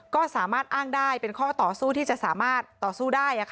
ก็สามารถอ้างได้เป็นข้อต่อสู้ที่จะสามารถต่อสู้ได้